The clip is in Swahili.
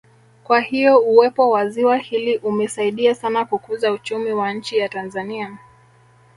Kwa hiyo uwepo wa ziwa hili umesadia sana kukuza uchumi wa nchi ya Tanzania